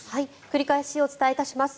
繰り返しお伝えします。